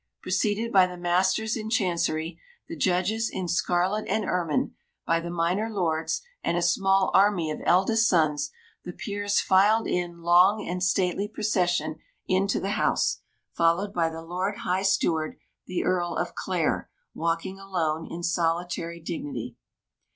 Preceded by the Masters in Chancery, the judges in scarlet and ermine, by the minor lords and a small army of eldest sons, the Peers filed in long and stately procession into the House, followed by the Lord High Steward, the Earl of Clare, walking alone in solitary dignity.